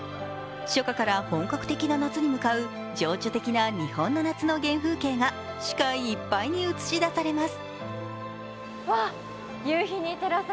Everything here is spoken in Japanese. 初夏から本格的な夏に向かう情緒的な日本の夏の原風景が視界いっぱいに映し出されます。